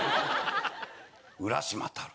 『浦島太郎』。